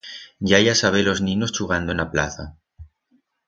I hai a-saber-los ninos chugando en a plaza.